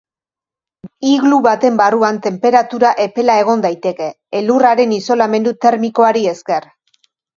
Iglu baten barruan tenperatura epela egon daiteke, elurraren isolamendu termikoari esker.